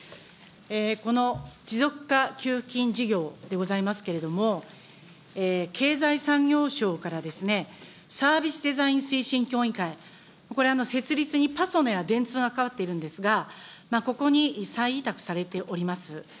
この持続化給付金事業でございますけれども、経済産業省からですね、サービスデザイン推進協議会、これ、設立にパソナや電通が関わっているんですが、ここに再委託されております。